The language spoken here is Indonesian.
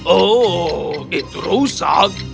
oh itu rusak